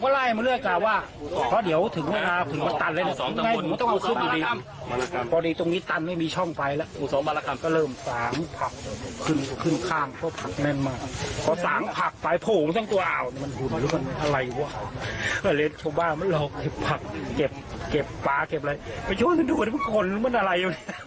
เราเก็บผักเก็บปลาเก็บอะไรไปช่วยดูว่ามันคนมันอะไร